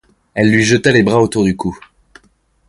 Elle lui jeta les bras autour du cou.